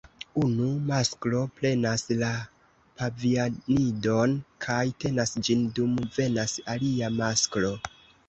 Unu masklo prenas la pavianidon kaj tenas ĝin dum venas alia masklo.